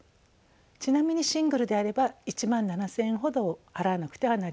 ちなみにシングルであれば１万７，０００円ほど払わなくてはなりません。